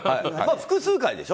複数回でしょ？